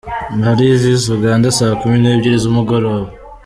Mali vs Uganda :saa kumi n’ebyiri z’umugoroba.